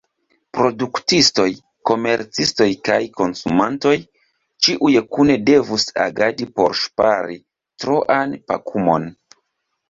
Produktistoj, komercistoj kaj konsumantoj, ĉiuj kune devus agadi por ŝpari troan pakumon.